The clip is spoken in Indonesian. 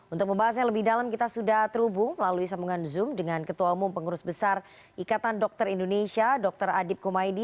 untuk membahasnya lebih dalam kita sudah terhubung melalui sambungan zoom dengan ketua umum pengurus besar ikatan dokter indonesia dr adib kumaydi